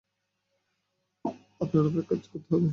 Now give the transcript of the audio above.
আপনার অপেক্ষা করতে হবে।